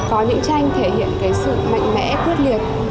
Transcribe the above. có những tranh thể hiện cái sự mạnh mẽ quyết liệt